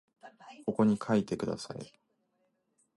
ここに書いてください